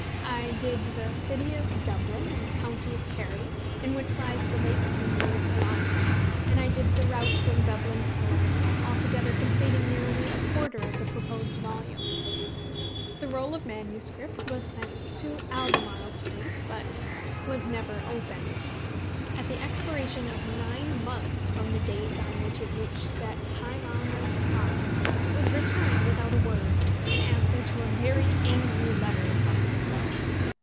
I "did" the city of Dublin, and the county of Kerry, in which lies the lake scenery of Killarney; and I "did" the route from Dublin to Killarney, altogether completing nearly a quarter of the proposed volume. The roll of MS. was sent to Albemarle Street, but was never opened. At the expiration of nine months from the date on which it reached that time honoured spot it was returned without a word, in answer to a very angry letter from myself.